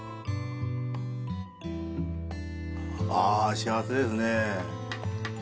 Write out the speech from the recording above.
幸せですね。